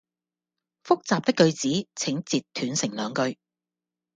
複雜的句子請截斷成兩句